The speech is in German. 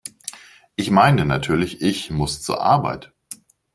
Ich meine natürlich, ich muss zur Arbeit!